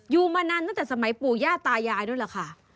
ยูมานานตั้งแต่สมัยปู่หญ้าตายายนู่นแหละค่ะ